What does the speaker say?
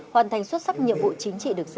hoàn thành xuất sắc nhiệm vụ chính trị được giao